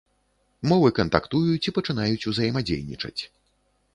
Мовы кантактуюць і пачынаюць узаемадзейнічаць.